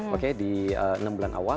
oke di enam bulan awal